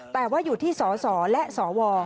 แต่ว่าอยู่ที่สสและสว